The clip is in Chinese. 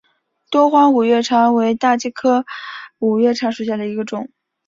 多花五月茶为大戟科五月茶属下的一个种。